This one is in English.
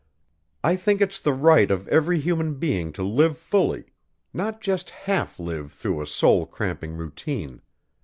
"I think it's the right of every human being to live fully not just half live through a soul cramping routine.